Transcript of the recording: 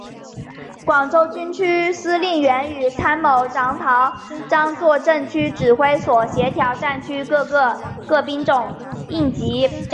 广州军区司令员与参谋长陶汉章坐镇军区指挥所协调战区个军兵种应急战备。